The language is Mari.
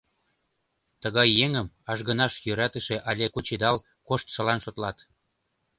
Тыгай еҥым ажгынаш йӧратыше але кучедал коштшылан шотлат.